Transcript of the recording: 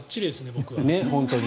僕は。